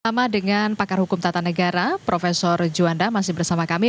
sama dengan pakar hukum tata negara profesor juanda masih bersama kami